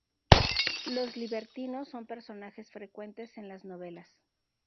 Los libertinos son personajes frecuentes en las novelas.